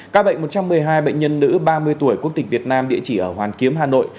các bệnh một trăm một mươi hai bệnh nhân nữ ba mươi tuổi quốc tịch việt nam địa chỉ ở hoàn kiếm hà nội